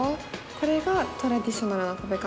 これがトラディショナルな食べ方？